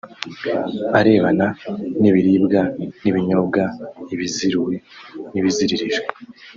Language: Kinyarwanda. arebana n’ibiribwa n’ibinyobwa ibiziruwe n’ibiziririjwe